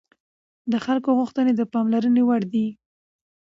د خلکو غوښتنې د پاملرنې وړ دي